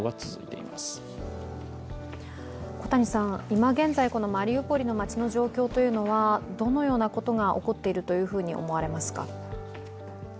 今現在、マリウポリの街の状況というのはどのようなことが起こっているというふうに思われますか？